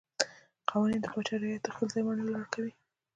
قوانین د پاچا رعیت ته خپل ځای منلو اړ کوي.